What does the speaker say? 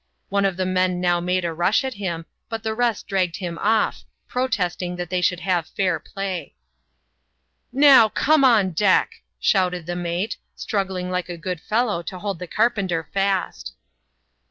One of the men now made a rash at him, but the rest dragged him off, protesting that they should have fur play. " Now, come on deck," shouted the mate, struggling like a good fellow to hold the carpenter fast.